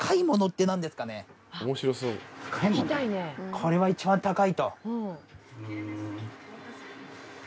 これは一番高いと。